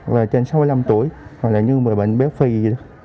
và trên sáu mươi năm tuổi hoặc là những người bệnh béo phi